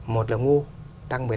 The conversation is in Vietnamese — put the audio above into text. một là ngu tăng một mươi năm